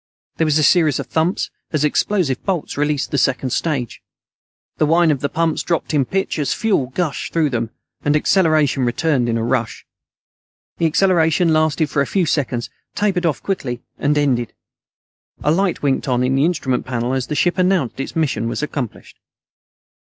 There was a series of thumps as explosive bolts released the second stage. The whine of the pumps dropped in pitch as fuel gushed through them, and acceleration returned in a rush. The acceleration lasted for a few seconds, tapered off quickly, and ended. A light winked on on the instrument panel as the ship announced its mission was accomplished.